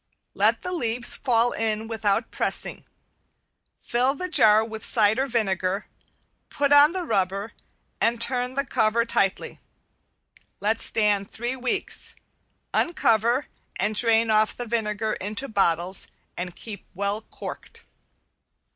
Let the leaves fall in without pressing. Fill the jar with cider vinegar, put on the rubber, and turn the cover tightly. Let stand three weeks, uncover, and drain off the vinegar into bottles and keep well corked.